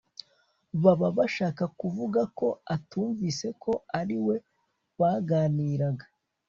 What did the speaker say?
baba bashakakuvuga ko atumvise ko ari we baganiraga